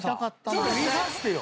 ちょっと見させてよ。